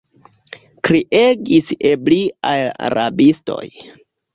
kriegis ebriaj rabistoj.